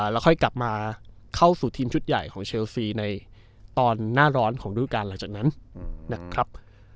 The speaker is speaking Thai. แล้วค่อยกลับมาเข้าสู่ทีมชุดใหญ่ของเชลซีในตอนหน้าร้อนของรูปการณ์หลังจากนั้นนะครับ